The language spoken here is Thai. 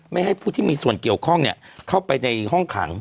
ให้ผู้ที่มีส่วนเกี่ยวข้องเข้าไปในห้องขัง